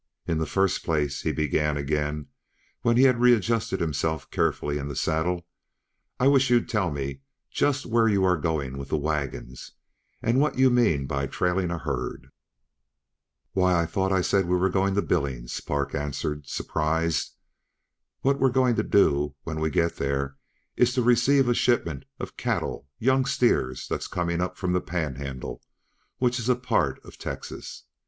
"In the first place," he began again when he had readjusted himself carefully in the saddle, "I wish you'd tell me just where you are going with the wagons, and what you mean by trailing a herd." "Why, I thought I said we were going to Billings," Park answered, surprised. "What we're going to do when we get there is to receive a shipment of cattle young steer that's coming up from the Panhandle which is a part uh Texas.